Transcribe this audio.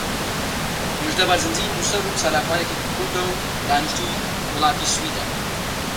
مژدە بەرزنجی نووسەر و چالاکوانێکی کوردە و دانیشتووی وڵاتی سویدە.